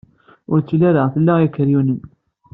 Ur telli ara tla ikeryunen.